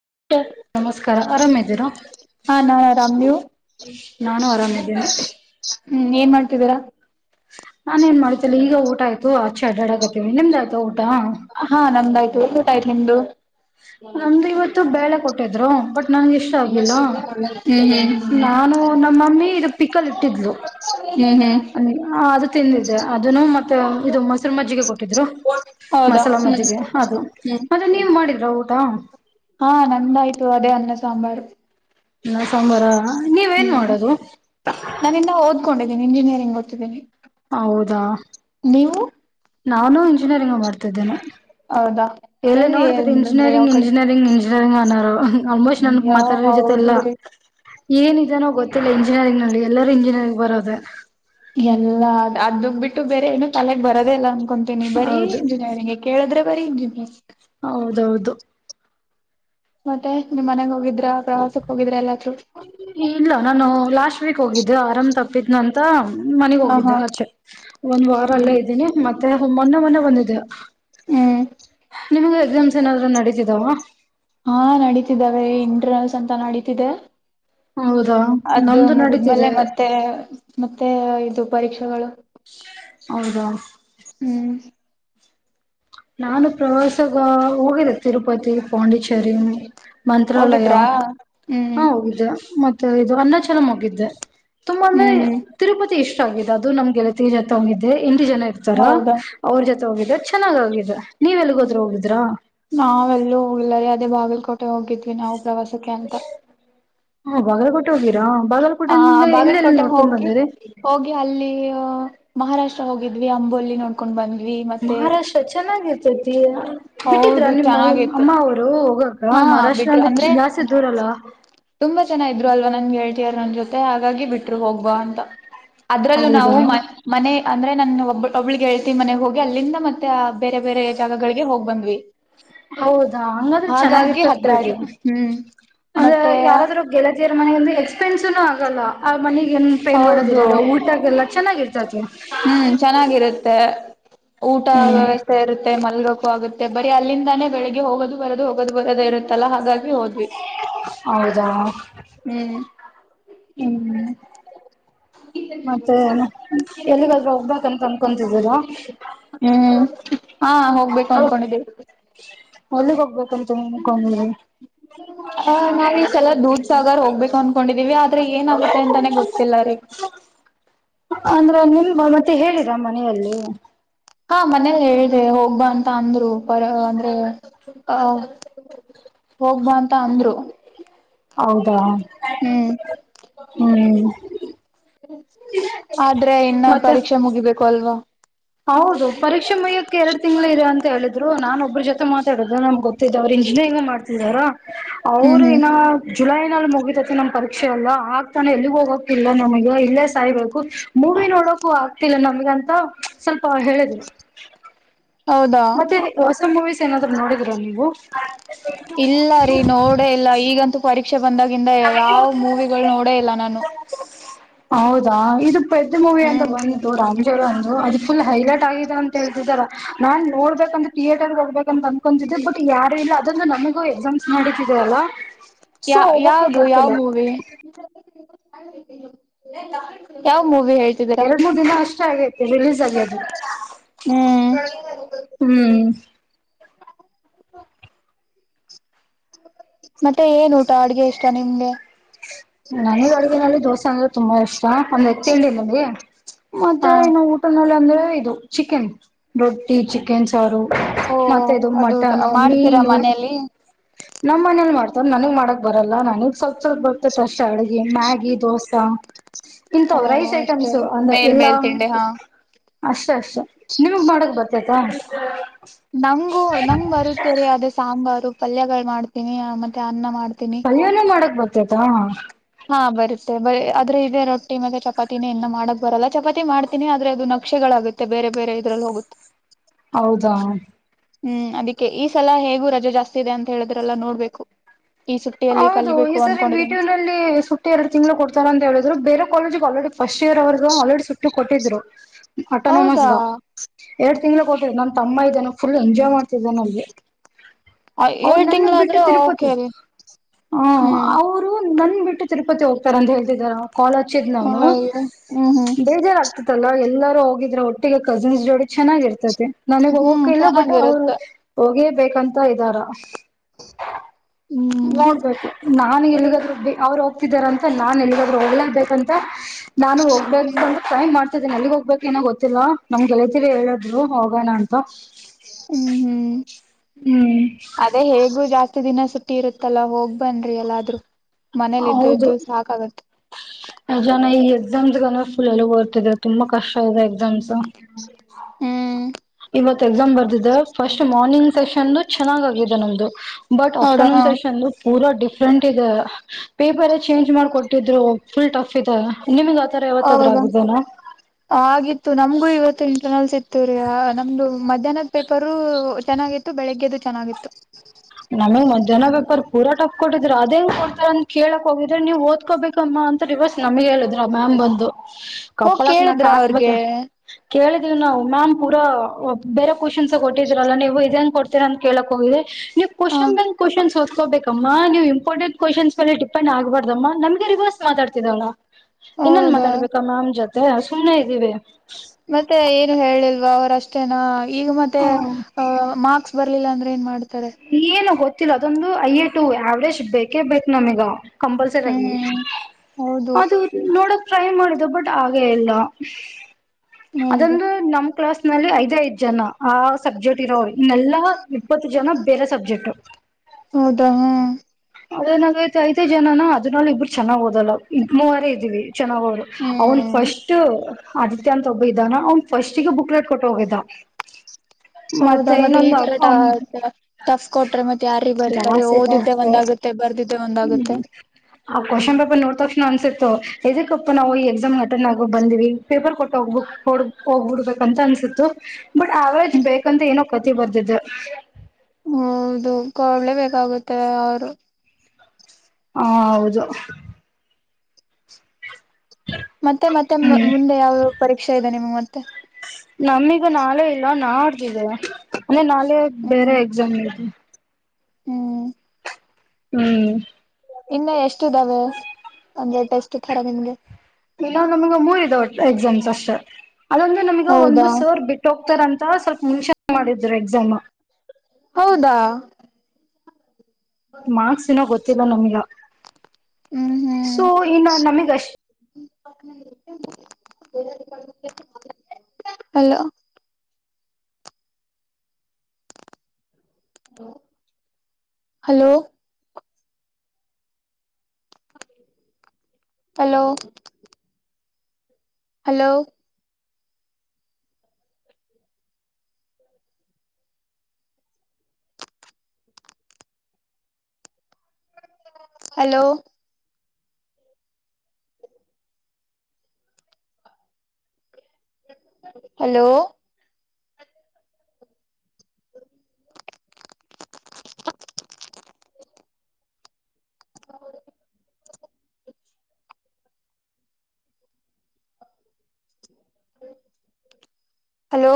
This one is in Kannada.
[inaudible] ನಮಸ್ಕಾರ ಆರಾಮಿದ್ದೀರಾ ಹಾ ನಾನ್ ಆರಾಮ್ ನೀವು ನಾನು ಆರಾಮಿದ್ದೀನಿ. ಹ್ಮ್ ಏನ್ ಮಾಡ್ತಿದ್ದೀರಾ. ನಾನ ಏನ್ ಮಾಡುತಿ [unintelligible] ದ್ದಲ್ಲ ಈಗ ಊಟ ಆಯ್ತು ಡಾಡ್ [unintelligible] ಆಡಗತ್ತಿವಿ ನಿಮ್ದ್ ಆಯ್ತ ಊಟ ಹಾ ನಮ್ದಾಯ್ತು ಊಟ ಆಯ್ತು ನಿಮ್ದು ನಮ್ದು ಇವತ್ತು ಬೇಳೆ ಕೊಟ್ಟಿದ್ರು ಬಟ್. ನಂಗ ಇಷ್ಟ ಹ್ಮ್ ಆಗಿಲ್ಲ ಹ್ಮ್ ನಾನು ನಮ್ಮ ಮಮ್ಮಿ ಇದು ಪಿಕಲ್ ಇಟ್ಟಿದ್ಲು. ಹ್ಮ್ ಹ್ಮ್ ಅದು ತಿಂದಿದ್ದೆ [unintelligible] ಅದುಕ್ ಇದು ಅದನು ಮತ್ತ ಇದು ಮೊಸರು ಮಜ್ಜಿಗೆ ಕೊಟ್ಟಿದ್ರು. ಹೌದಾ ಮಸಾಲ ಹ್ಮ್ ಮಜ್ಜಿಗೆ ಅದು ಮತ ನೀವ್ ಮಾಡಿದ್ರ ಊಟ. ಹಾ ನಂದಾಯ್ತು ಅದೇ ಅನ್ನ ಸಾಂಬಾರು. ನ ಸಾಂಬಾರ ನೀವೇನ್ ಮಾಡೋದು. ಕೊಂಡಿದ್ದೀನಿ ಇಂಜಿನಿಯರಿಂಗ ಓತಿದ್ದಿನಿ. ಹೌದಾ ನಾನು ಇಂಜಿನಿಯರಿಂಗ್ ಮಾಡ್ತಿದ್ದೇನೆ. ಹೌದಾ ಎಲ್ಲ ಎಲ್ಲಿ ನೋಡಿದ್ರ ಅಂದ್ರೆ ಯಾವ ಇಂಜಿನಿಯರಿಂಗ ಕಡೆ ಇಂಜಿನಿಯರಿಂಗ್ ಇಂಜಿನಿಯರಿಂಗ್ ಅನೋರು. ಆಲ್ಮೋಸ್ಟ್ ನನ್ಗ್ ಯಾವ ಮಾತಾದೀರ ಜೊತೆ ಹೌದು ಎಲ್ಲಾ. ರೀ ಏನಿದೆನೋ ಗೊತ್ತಿಲ್ಲ ಇಂಜಿನಿಯರಿಂಗ್ ನಲ್ಲಿ ಎಲ್ಲರೂ ಇಂಜಿನಿಯರಿಂಗ್ ಬರೋದೆ. ಎಲ್ಲಾ ಅ ಅದಗ್ ಬಿಟ್ಟು ಬೇರೆ ಏನು ತಲೆಗೆ ಬರೋದೆ ಇಲ್ಲ ಅನ್ಕೊಂತೀನಿ ಬರಿ ಹೌದು ಇಂಜಿಯರಿಂಗ್ಗೆ ಕೇಳಿದ್ರೆ ಬರಿ ಇಂಜಿನಿಯರಿಂಗ. ಹೌದೌದು ಮತ್ತೆ ನಿಮ್ ಮನೇಗ ಹೋಗಿದ್ರ. ಎಲ್ಲಾದ್ರೂ ಇಲ್ಲ ನಾನು ಲಾಸ್ಟ್ ವೀಕ್ ಹೋಗಿದ್ದೆ ಆರಾಮ್ ತಪ್ಪಿತ ನಂದ. ಮತ್ತ ಮನಿಗ್ ಹ ಹಾ ಹೋಗಿದ್ದ ಆಚೆ ಒಂದ್ ವಾರ ಅಲ್ಲೆ ಹ್ಮ್ ಇದ್ದೀನಿ ಮತ್ತೆ ಮೊನ್ನೆ ಮೊನ್ನೆ ಬಂದಿದ್ದೆ. ಹ್ಮ ನಿಮ್ಗ ಎಕ್ಸಾಮ್ಸ್ ಏನಾದ್ರೂ ನಡತಿದಾವ. ಇದಾವೆ ಇಂಟ್ರನಲ್ಸ್ ಅಂತ ನಡೀತಿದೆ. ಹೌದಾ ಅದು ನಮ್ದು ಮುಗಿದ್ಮೇಲೆ ನಡೀತಿದೆ ಮತ್ತೆ ಮತ್ತೆ ಇದು ಪರೀಕ್ಷೆಗಳು. ಹೌದಾ ಹ್ಮ್ ನಾನು ಪ್ರವಾಸಗ ಹೋಗಿದೆೆ ತಿರುಪತಿ ಪಾಂಡಿಚೇರಿ. ಮಂತ್ರಾಲಯ ಹೋಗಿದ್ರಾ ಹ್ಮ್ ಹಾ ಹೋಗಿದ್ದೆ ಮತ್ತೆ ಇದು ಅನ್ನಾಚಲಮ ಹೋಗಿದ್ದೆ. ತುಂಬಾ ಅಂದ್ರೆ ಹ್ಮ್ ತಿರುಪತಿ ಇಷ್ಟ ಆಗಿದೆ ಅದು ನಮ್ ಗೆಳತಿ ಜೊತೆ ಹೋಗಿದ ದ್ದೆ ಎಂಟ ಜನ ಇರ್ತಾರ ಹೌದಾ ಅವ್ರ ಜೊತೆ ಹೋಗಿದ್ದೇ ಚೆನ್ನಾಗ್ ಹೊಗಿದ. ನಾವೆಲ್ಲೂ ಹೋಗಿಲ್ಲ ಅದೇ ಬಾಗಲಕೋಟೆ ಹೋಗಿದ್ವಿ ನಾವು ಪ್ರವಾಸಕ್ಕೆ ಅಂತ. ಹಾ ಬಾಗಲಕೋಟೆ ಹೋಗಿರಾ. ಹ ಬಾಗಲಕೋಟೆಯಿಂದ ಎಲ್ಲೆಲ್ಲಿ ಬಾಗಲಕೋಟೆಗ ನೋಡ್ಕೊಂಡ್ ಹೋಗಿ ಬಂದಿರಿ ಹೋಗಿ ಅಲ್ಲಿ ಮಹಾರಾಷ್ಟ್ರ ಹೋಗಿದ್ವಿ ಅಂಬೋಲಿ ನೋಡ್ಕೊಂಡ್ ಬಂದ್ ಮಹಾರಾಷ್ಟ್ರ ಚೆನ್ನಾಗಿರ್ತತಿ ಹೌದು ಬಿಟ್ಟಿದ್ರ ನಿಮ್ಮ ಚೆನ್ನಾಗಿತ್ತು ಅಮ್ಮ ಅವರು ಹೋಗಕ್ ಹಾ ಮಹಾರಾಷ್ಟ್ರ ಬಿಟ್ರು ಅಂದ ಅಂದ್ರೆ ತುಂಬ ಜಾಸ್ತಿ ದೂರಲ್ಲ ಹೇಳ್ತಾರ ನ ಜೊತೆ ಹಾಗಾಗಿ ಬಿಟ್ಟರು ಹೋಗ್ಬ ಅಂತ ಅದ್ರಲ್ಲೂ ಹೌದಾ ನಾವು ಮನೆ ಅಂದ್ರೆ ನನ್ ಒಬ್ ಒಬ್ಳ ಗೆಳತಿ ಮನೆಗ್ ಹೋಗಿ ಅಲ್ಲಿಂದ ಮತ್ತೆ ಆ ಬೇರೆ ಬೇರೆ ಜಾಗಳಿಗೆ ಹೋಗ್ ಬಂದ್ವಿ ಹೌದಾ ಹಂಗಾದ್ರೆ ಹಾಗಾಗಿ ಚೆನ್ನಾಗಿರ್ತತ್ ಹತ್ರ ಬಿಡ್ರಿ ಆಯ್ತು ಹ್ಮ್ ಅಂದ್ರ ಮತ್ತೆ ಯಾರಾದ್ರೂ ಗೆಳತಿಯರ ಮನೆಲಿ ಒಂದು ಎಕ್ಸ್ಪೆನ್ಸನು ಆಗಲ್ಲ ಆ ಮನಗ ಏನ್ ಪೇ ಹೌದು ಮಾಡದಿರಲ್ಲ ಊಟ ಲ್ಲ ಚನ್ನಾಗಿ ಹ್ಮ್ ಚೆನ್ನಾಗಿರುತ್ತೆ ಊಟ ಹ್ಮ್ ವ್ಯವಸ್ಥೆ ಇರುತ್ತೆ ಮಲ್ಗೋಕು ಆಗುತ್ತೆ ಬರಿ ಅಲ್ಲಿಂದಾನೇ ಬೆಳಗ್ಗೆ ಹೋಗೋದು ಬರೋದು ಹೋಗೋದು ಬರೋದೇ ಇರುತ್ತಲ್ಲ ಹಾಗಾಗಿ ಹೋದ್ವಿ ಹೌದಾ ಹ್ಮ್ ಹ್ಮ್ ಮತ್ತೆ ಎಲ್ಲಿಗದ್ರು ಹೋಗ್ಬೇಕಂತ ಅನ್ಕೊತಿದ್ದೀರಾ ಹ್ಮ್ ಹಾ ಹೋಗ್ಬೇಕು ಅನ್ಕೊಂಡಿದ್ದೀವಿ. ಎಲ್ಲಿಗೆ ಹೋಗ್ಬೇಕಂತ ಅನ್ಕೊಂಡಿದೀರಿ [inaudible] ಅ ನಾವ್ ಈ ಸಲ ದೂದ್ ಸಾಗರ್ ಹೋಗ್ಬೇಕು ಅನ್ಕೊಂಡಿದೀವಿ ಆದ್ರೆ ಏನಾಗುತ್ತೆ ಅಂತಾನೆ ಗೊತ್ತಿಲ್ಲ ರೀ ಅಂದ್ರೆ ನಿಲ್ ಮತ್ತೆ ಹೇಳಿರಾ ಮನೆಯಲ್ಲಿ ಹಾ ಮನೇಲಿ ಹೇಳಿದೆ ಹೋಗ್ಬಾ ಅಂತ ಅಂದ್ರು ಪರ ಅಂದ್ರೆ ಆ ಹೋಗ್ಬ ಅಂತ ಅಂದ್ರು ಹೌದಾ ಹ್ಮ್ ಹ್ಮ್ ಆದ್ರೆ ಇನ್ನ ಮತ್ತೆ ಪರೀಕ್ಷೆ ಮುಗಿಬೇಕು ಅಲ್ವಾ ಹೌದು ಪರೀಕ್ಷೆ ಮುಗಿಯಕ್ಕೆ ಎರಡ್ ತಿಂಗ್ಗಳು ಇರ ಅಂತ ಹೇಳಿದ್ರು ನಾನ ಒಬ್ಬ್ರ ಜೊತೆ ಮಾತಾಡುದು ನಮ್ ಗೊತ್ ಇಂಜಿನಿಯರಿಂಗ್ ಮಾಡ್ತಿದಾರ ಹ್ಮ್ ಅವ್ರು ಹ್ಮ್ ಇನ್ನ ಜುಲೈ ಮುಗಿತತಿ ನಮ್ ಪರೀಕ್ಷೆ ಯಲ್ಲ ಆಗ್ತಾನೆ ಎಲ್ಲಿಗ್ ಹೋಗಕ್ ಇಲ್ಲ ನಮಗೆ ಇಲ್ಲೇ ಸಾಯ್ಬೇಕು ಮೂವಿ ನೋಡು ಕು ಆಗ್ತಿಲ್ಲ ನಮ್ಗಂತು ಸ್ವಲ್ಪ ಹೇಳಿದ್ರು ಹೌದಾ ಮೂವಿಸ್ ಏನಾದ್ರು ನೋಡಿದೀರ ನೀವು ಟು ಬಂದಾಗಿಂದ ಯಾವ್ ಮೂವಿಗಳ್ ನೋಡೇ ಇಲ್ಲ ನಾನು ಹೌದಾ ಇದು ಪೆದ್ ಮೂವಿ ಅಂತ ಹ್ಮ್ ಬಂದು ರಾಮಜರು ಅದು ಫುಲ್ ಹೈಲೈಟ್ ಆಗಿದೆ ಅಂತ ಹೇಳತಿದರೆ ನಾನ್ ನೋಡ್ಬೇಕಂದಂತ ಥಿಯೇಟರ್ಗೆ ಹೋಗ್ಬೇಕ ಅಂತ ಅನ್ಕೊತಿದ್ದೆ ಬಟ್ ಯಾರು ಇಲ್ಲ ಅದಂದು ನಮಗೂ ಎಕ್ಸಾಮ್ಸ್ ನಡಿತಿದೆ ಅಲ್ಲ ಸೊ ಯ ಹೋಗಕ ಯಾವುದು ಯಾವ್ ಬರ್ತಿಲ್ಲ ಮೂವಿ ತಾವು ಮೂ ಎರಡ್ ಮೂರ್ ದಿನ ಅಷ್ಟೇ ಆಗೈತಿ ರಿಲೀಸ್ ಆಗಿ ಅದು ಹ್ಮ್ ಹ್ಮ್ [unintelligible] ಮತ್ತೆ ಏನ್ ಊಟ ಅಡ್ಗೆ ಇಷ್ಟ ನಿಮ್ಗೆ ನನಗ್ ಅಡಗಿನಲ್ಲಿ ದೋಸೆ ಅಂದ್ರೆ ತುಂಬಾ ಇಷ್ಟ ಒಂದ್ ಎತ್ತೇಳಿಲ್ಲಗೆ ಮತ್ತೆ ಹಾ ಇನ್ನು ಊಟನಲ್ಲ ಅಂದ್ರೆ ಇದು ಚಿಕನ್ ರೊಟ್ಟಿ ಚಿಕನ್ ಓ ಮತ್ತೆ ಇದು ಅದು ಮಟನ್ ಮಾಡ್ತೀರಾ ಮೀನು ಮನೇಲಿ ನಮ್ಮ್ ಮನೇಲ್ ಮಾಡ್ತರ್ ನನಗ್ ಮಾಡಕ್ ಬರಲ್ಲ ನನಗ್ ಸ್ವಲ್ಪ ಸ್ವಲ್ಪ ಬರ್ತೈತೆ ಅಷ್ಟೆ ಅಡುಗೆ ಮ್ಯಾಗಿ ದೋಸಾ ಓ ಇಂತವ್ ರೈಸ್ ಅಷ್ಟೇ ಐಟಮ್ಸ ಅಂದ್ರೆ ಮೇಲ್ ಇಲ್ಲ ಮೇಲ್ ತಿಂಡಿ ಹಾ ಅಷ್ಟ ಅಷ್ಟೆ ನಿಮಗ್ ಮಾಡಕ್ ಬತ್ತೈತ ನಂಗು ನಂಗ್ ಬರುತ್ತೇರಿ ಅದೇ ಸಾಂಬಾರು ಪಲ್ಯಗಳು ಮಾಡ್ತೀನಿ ಮತ್ತೆ ಅನ್ನ ಮಾಡ್ತ ಪಲ್ಯನೂ ಮಾಡಕ್ ಬರ್ತತಾ ಹಾ ಬರುತ್ತೆ ಬರಿ ಆದ್ರೆ ಇಗ ರೊಟ್ಟಿ ಮತ್ತೆ ಚಪಾತಿನೇ ಇನ್ನ ಮಾಡಕ್ ಬರಲ್ಲ ಚಪಾತಿ ಮಾಡ್ತೀನಿ ಆದ್ರೆ ಅದು ನಕ್ಷೆಗಳು ಆಗುತ್ತೆ ಬೇರೆ ಬೇರೆ ಇದ್ರಲ್ಲಿ ಹೋಗುತ್ತೆ ಹೌದಾ ಹ್ಮ್ ಅದಿಕ್ಕೆ ಈ ಸಲ ಹೇಗು ರಜಾ ಜಾಸ್ತಿ ಇದೆ ಅಂತ ಹೇಳಿದ್ರೆಲ್ಲಾ ನೋಡ್ಬೇಕು ಈ ಸುಟ್ಟಿಯಲ್ಲಿ ಕಲಿಬೇಕು ಅನ್ಕೊಂಡಿದಿನಿ ಇಲ್ಲಿ ಸುಟ್ಟ ಎರಡು ತಿಂಗಳು ಕೊಡ್ತಾರ ಅಂತ ಹೇಳಿದ್ರು ಬೇರೆ ಕಾಲೇಜಿಗೆ ಆಲ್ರೆಡಿ ಫಸ್ಟ್ ಇಯರ್ ಅವ್ರಗ ಆಲ್ರೆಡಿ ಸುಟ್ಟಿ ಕೊಟ್ಟಿದ್ರು ಹೌದಾ ಆಟೋನಮಸ್ಗ ಎರಡ್ ತಿಂಗ್ಗಳು ಕೊಟ್ಟರು ನನ್ ತಮ್ಮ ಇದ್ದೇನೆ ಫುಲ್ ಎಂಜಾಯ್ ಮಾಡ್ತಿದ್ದೇನೆ ಅಲ್ಲಿ ಅವರು ಏಳ್ ನನ್ಗ್ ಬಿಟ್ಟು ತಿಂಗಳಾದ್ರೆ ತಿರುಪತಿ ಓಕೆ ರೀ ಹ ಹ್ಮ್ ಅವರು ನನ್ ಬಿಟ್ಟು ತಿರುಪತಿ ಹೋಗ್ತಾರ ಅಂತ ಹೇತಿದಾರ ಕಾಾಲ ಹಚ್ಚಿದ್ ನವ್ನು ಅಯ್ಯೋ ಹ್ಮ್ ಹ್ಮ್ ಬೇಜಾರಗ್ತತಲ್ಲ ಎಲ್ಲ ಹೋಗಿದ್ರೆ ಒಟ್ಟಿಗೆ ಕಸಿನ್ಸ್ ಜೋಡಿ ಚೆನ್ನಾಗಿರ್ತತಿ ನನಗ್ ಹ್ಮ್ ಹೋಗೋಕ ಇಲ್ಲ ಬಟ್ ಅವ್ರು ಚೆನ್ನಾಗಿರುತ್ತೆ ಹೋಗೇ ಕಾಂತ ಇದ್ದಾರ ಹ್ಮ್ ನೋಡ್ಬೇಕು ನಾನು ಎಲ್ಲಿಗಾದ ಅವ್ರು ಹೋಗ್ತಿದಾರಂತ ನಾನ್ ಎ ಹೋಗ್ಲ ಬಂತ ನಾನು ಹೋಗ್ಬೇಕ ಟ್ರೈ ಮಾಡ್ ಮ ನಲ್ಲಿಗ್ ಹೋಗ್ಬೇಕಕ್ ಏನೋ ಗೊತ್ತಿಲ್ಲ ನಮ್ ಗೆಳೆತಿರೆ ಹೇಳಿದ್ರು ಹೋಗೋಣ ಅಂತ ಹ್ಮ್ ಹ್ಮ್ ಹ್ಮ್ ಹತ್ತು ದಿನ ಸುಟ್ಟಿ ಇರುತ್ತಲ್ಲ ಹೋಗ್ ಬನ್ರಿ ಎಲ್ಲಾದ್ರೂ ಮನೇಲಿ ಇದ್ದು ಇದ್ದು ಸಾಕಾಗತ್ತೆ ಜನ ಈ ಎಕ್ಸಾಮ್ಸ್ಗಂದ್ರೆ ಫುಲ್ಲ್ಲಿ ಬರ್ತಿದ್ದಾರೆ ತುಂಬಾ ಕಷ್ಟ ಇದೆ ಎಕ್ಸಾಮ್ಸ್ ಹ್ಮ್ ಇವತ್ ಎಕ್ಸಾಮ್ ಬರ್ದಿದೆ ಫಸ್ಟ್ ಮಾರ್ನಿಂಗ್ ಸೆಷನ್ ಚೆನ್ನಾಗಗಿದೆ ನಮ್ದು ಬಟ್ ಹೌದಾ ಆಫ್ಟರ್ನೂನ್ ಹಾ ಸೆಷನ್ [unintelligible] ಡಿಫ್ರಂಟ್ ಇದೆ ಪೇಪರ್ ಚೇಂಜ್ ಮಾಡ್ಕೊಟ್ಟಿದ್ರು ಫುಲ್ ಟಫ್ ಇದೆ ನಿಮ ಹೌದಾ ಆಗಿತ್ತು ನಮ್ಗೂ ಇವತ್ತು ಇಂಟರ್ನಲ್ಸ ಇ ತುರಿಯ ನಮ್ದು ಮಧ್ಯಾಹ್ನದ್ ಪೇಪರ್ ಚೆನ್ನಾಗಿತ್ತು ಬೆಳಿಗ್ಗೆದುು ಚೆನ್ನಾಗಿತ್ತು ನಮೇ ಮಧ್ಯಾಹ್ನ ವೇಪರ್ ಪೂರ ಫ ಕೊಟ್ಟ್ರರು ಅದೇ ಕೊಡ್ತ ಅಂತ ಕೇಳಕ್ ಹೋಗಿದ್ರೆ ನೀವು ಓದ್ಕೋಬೇಕಮ್ಮ ಅಂತವ ನಮ್ಗೆ ಹೇಳಿದ್ರ ಮ್ಯಾಮ್ ಬಂದು ಹೋಗ್ ಕಪ್ಪಳಕ್ ನಾಕ ಕೇಳಿದ್ರ ಅವ್ರಿಗೆ ಹಾಕ್ಬೇಕ ಕೇಳಿದೀವಿ ನಾವು ಮ್ಯಾಮ್ ಪೂರ ಬೇರೆ ಕ್ವಶನ್ಸ್ ಕೊಟ್ಟಿದ್ರರಲ್ಲ ನೀವು ಇದನ್ ಕೊಟ್ಟ ಕೇಳಕ್ ಹೋಗಿದೆ ನೀವು ಹ ಕ್ವನ್ಂದು ಕ್ವನ್ ಕೋಬೇಕಮ್ಮ ನೀವು ಇಂಪಾರ್ಟೆಂಟ್ ಕ್ವಶನ್ಸ್ ಮೇ ಟಿಪೆ ಆಗ್ಬಾರ್ದಮ್ಮ ನಮಗೆ ರಿವರ್ಸ್ ಮಾತಾಡ್ತಿದವ್ಲ್ಲ ಇನ್ನೊನ್ ಹೌದಾ ಮಾತಾಡ್ಬೇಕ ಮ್ಯಾಮ್ ಜೊತೆ ಸುಮ್ನೆ ಇದ್ದೀವಿ ಮತ್ತೆ ಏನು ಹೇಳಿಲ್ವಾ ಅವರಷ್ಟೇನಾ ಈಗ ಮತ್ತೆ ಹ್ಮ್ ಮಸ್ಕ್ ಬರ್ಲಿಲ್ಲ ಅಂದ್ರ ಏನ್ ಮಾಡುದು ಏನು ಗೊತ್ತಿಲ್ಲ ಅದೊಂದು ಯ್ಯ ಟ ಯಾವರೇಜ್ ಬೇಕೇ ಬೇಕು ನಮೀಗ ಕಂಪಲ್ಸರಿ ಆಗ ಹ್ಮ್ ಹೌದು ಅದು ನೋಡ ಟ್ರೈ ಮಾಡಿದ್ದ ಬಟ್ ಹಾಗೆ ಇಲ್ಲ ಹಗೆ ಅದೊಂದು ನಮ ಕ್ಲಾಸ್ ನಲ್ಲಿ ಐದೇ ಇದ ಜನ ಆ ಸಬ್ಜೆಕ್ಟ್ ಇರೋರು ಇನ್ನೆಲ್ಲಾ ಇಪ್ಪತ್ತು ಜನ [unintelligible] ಹೌದಾ ಹಾ ಅದನಲ್ಲಿ ಇಬ್ಬರು ಚೆನ್ನ್ ಹಓದಲ್ಲ ಇ ಮೂವಾರ ಇದ್ವಿ ಚೆನ್ನಾಗೋದ್ರು ಅವ್ನ್ ಹ್ಮ್ ಫಸ್ಟ್ ಆದಿತ್ಯ ಅಂತ ಒಬ್ಬ ಇದ್ದಾನ ಅವನ್ ಫಸ್ಟಿಗೆ ಬುಕ್ಲೆಟ್ ಕೊಟ್ಟ ಹೋಗಿದ್ದ ಹೌದಾ ಮತ್ತೆ ಈ ಇನೊಂದು ತರ ಟಫ್ ಕೊಟ್ರೆ ಮತ್ತೆ ಯಾರಿ ಬರೀತಾರೆ ಜಾಸ್ತಿ ಓದಿದ್ದೆ ಟಫೆ ಒಂದಾಗುತ್ತೆ ಬರ್ದಿದ್ದೆ ಒಂದಾಗುತ್ತೆ ಹ್ಮ್ ಕ್ವಶನ್ ಪೇಪರ್ ನೋಡ್ತಾಕ್ಷ ಅನ್ಸತ್ತು ಇದಕ್ಕಪ್ಪಾ ನಾವು ಈ ಎಕ್ಸಾಮ್ ಅಟೆಂಡ್ ಆಗ ಬಂದಿವವಿ ಪೇಪರ್ ಕೊಟ್ಟೋಗ್ ಹೋಗ್ಬ ಬಿಡ್ಬೇಕ ಅಂತ ಅನ್ಸು ಬಟ್ ಅವರೇಜ್ ಬೇಕಂತ ಏನೋ ಕತಿ ಬರ್ದಿದೆ ಹೌದು ಕೊಡ್ಲೇ ಬೇಕಾಗುತ್ತೆ ಅವರು ಹಾ ಹೌದು ಮತ್ತೆ ಮತ್ತೆ ಹ್ಮ್ ಮುಂದೆ ಯಾವ ಪರೀಕ್ಷೆ ಇದೆ ನಿಮ್ ಮತ್ತೆ ನಮೀಗ ನಾಳೆ ಇಲ್ಲ ನಾಡ್ದಿದೆ ಅಂದೆ ನಾಳೆ ಬೇರೆ ಹ್ಮ್ ಎಕ್ಸಾಮ ಇ ಹ್ಮ್ ಹ್ಮ್ ಇನ್ನು ಎಷ್ಟ ಇದಾವೆ ಒಂದೆ ಟೆಸ್ಟ್ ತರ ನಿಮ್ಗೆ ಇನ್ನ ನಮ್ಗ ಮೂರವ ಒಟ್ಟು ಎಕ್ಸಾಮ್ಸ್ ಅಷ್ಟೇ ಅದಂದ್ರೆ ನಮಗ ಹೌದಾ ಒಂದು ಸರ್ ಬಿಟ್ಟ ಹೋಗ್ತಾರಂತ ಸ್ವಲ್ಪ ಮುಂಚೆ ಮಾಡಿದ್ರು ಎಕ್ಸಾಮ್ ಹೌದಾ ಮಾರ್ಕ್ಸ್ ನೋ ಗೊತ್ತಿಲ್ಲ ನಮಗ ಹ್ಮ್ ಸೊ ಹ್ಮ್ ಇನ್ನ ನಮಗಷ್ಟ hello hello hello hello hello hello [unintelligible] ಹ ಹಲೋ